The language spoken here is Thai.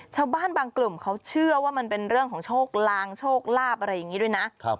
ชาวบ้านบางกลุ่มเขาเชื่อว่ามันเป็นเรื่องของโชคลางโชคลาภอะไรอย่างนี้ด้วยนะ